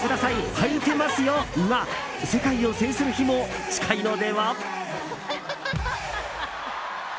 はいてますよ」が世界を制する日も近いのでは？